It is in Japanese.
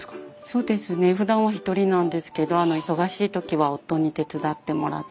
そうですね。ふだんは一人なんですけど忙しい時は夫に手伝ってもらってます。